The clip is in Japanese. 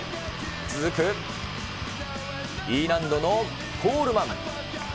続くＥ難度のコールマン。